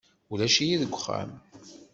Ulac-iyi deg uxxam.